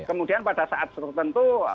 kemudian pada saat tertentu